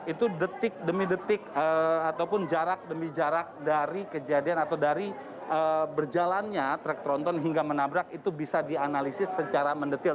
itu detik demi detik ataupun jarak demi jarak dari kejadian atau dari berjalannya truk tronton hingga menabrak itu bisa dianalisis secara mendetil